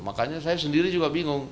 makanya saya sendiri juga bingung